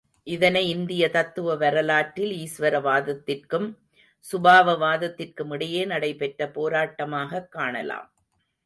இதனை இந்திய தத்துவ வரலாற்றில் ஈஸ்வர வாதத்திற்கும் சுபாவ வாதத்திற்கும் இடையே நடைபெற்ற போராட்டமாகக் காணலாம்.